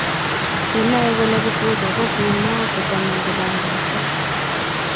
kinae kole kifuja kokimokochome kibandesheck